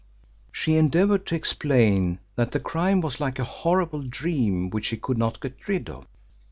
She endeavoured to explain that the crime was like a horrible dream which she could not get rid of.